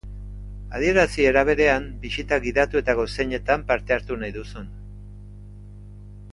Adierazi, era berean, bisita gidatuetako zeinetan parte hartu nahi duzun.